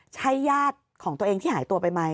ใช่ญาติของตัวเองที่หายตัวไปไหม